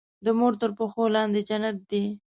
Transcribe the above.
د مور تر پښو لاندې جنت دی.